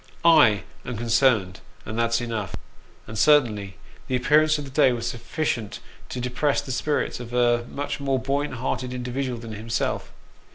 / am concerned, and that's enough ;" and certainly the appear ance of the day was sufficient to depress the spirits of a much more buoyant hearted individual than himself.